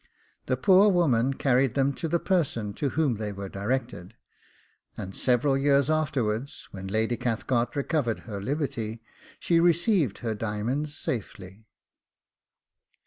The poor woman carried them to the person to whom they were directed, and several years afterwards, when Lady Cathcart recovered her liberty, she received her diamonds safely.